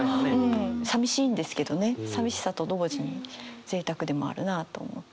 さみしいんですけどねさみしさと同時にぜいたくでもあるなと思ったりして。